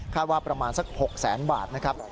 ว่าประมาณสัก๖แสนบาทนะครับ